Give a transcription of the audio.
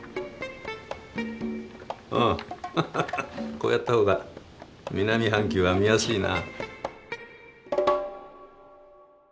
こうやった方が南半球は見やすいな。